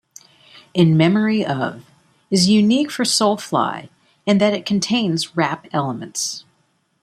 "In Memory of..." is unique for Soulfly in that it contains rap elements.